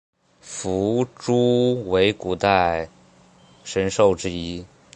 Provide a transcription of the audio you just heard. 夫诸为古代神兽之一。